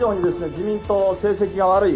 自民党成績が悪い。